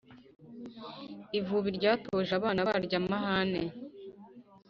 ivubi ryatoje abana baryo amahane